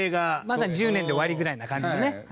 まさに１０年で終わりぐらいな感じのね。